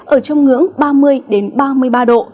ở trong ngưỡng ba mươi ba mươi ba độ